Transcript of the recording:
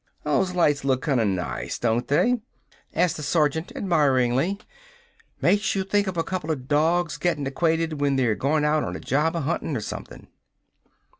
"Those lights look kinda nice, don't they?" asked the sergeant admiringly. "Makes you think of a coupla dogs gettin' acquainted when they're goin' out on a job of hunting or something."